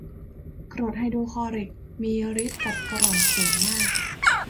กรดไฮโดรคลอริก มีฤทธิ์กัดกร่อนสูงมาก